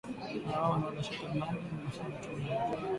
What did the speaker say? Maman anaenda shota mayi asema twende tu nyangule